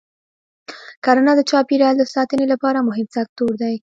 کرنه د چاپېریال د ساتنې لپاره مهم سکتور دی.